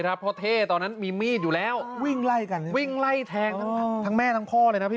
เหตุการณ์เกิดขึ้นช่วงเที่ยงเมื่อวานนี้